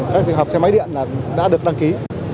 các trường hợp xe máy điện đã được đăng ký